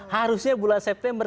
harusnya bulan september